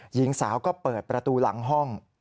หญิงสาวก็เปิดประตูหลังห้อง